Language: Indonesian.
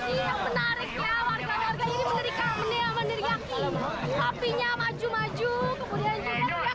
menariknya warga warga mengerjakan diri akhirnya maju maju kemudian juga